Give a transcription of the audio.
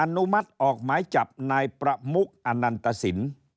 อนุมัติออกหมายจับนายประมุกอนันตสิน